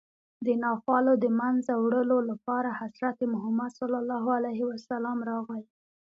د ناخوالو د منځه وړلو لپاره حضرت محمد صلی الله علیه وسلم راغی